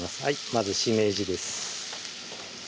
まずしめじです